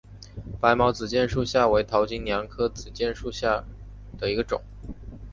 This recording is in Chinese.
白毛子楝树为桃金娘科子楝树属下的一个种。